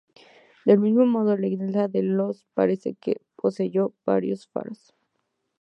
Del mismo modo, la isla de Delos parece que poseyó varios faros.